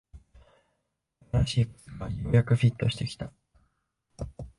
新しい靴がようやくフィットしてきた